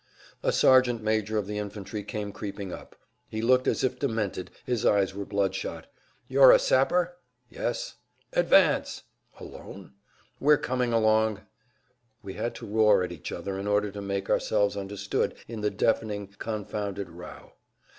A sergeant major of the infantry came creeping up. He looked as if demented, his eyes were bloodshot. "You're a sapper?" "Yes," "Advance!" "Alone?" "We're coming along!" We had to roar at each other in order to make ourselves understood in the deafening, confounded row.